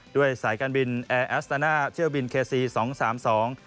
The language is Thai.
ด้วยสายการบินแอร์แอสตาน่าเที่ยวบินเคซีสองสามสอง